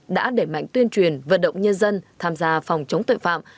đã đẩy mạnh tuyên truyền vận động nhân dân tham gia phòng chống tội phạm